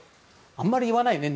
あんまり言わないね